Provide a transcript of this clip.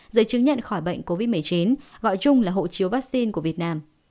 giấy chứng nhận khỏi bệnh covid một mươi chín gọi chung là hộ chiếu vaccine của việt nam